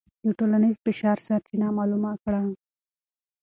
د ټولنیز فشار سرچینه معلومه کړه.